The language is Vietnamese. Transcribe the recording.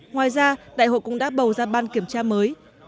ngoài ra đại hội cũng đã bầu ra ban kiểm tra mới